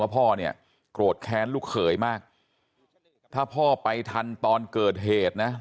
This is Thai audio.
พ่อเนี่ยโกรธแค้นลูกเขยมากถ้าพ่อไปทันตอนเกิดเหตุนะ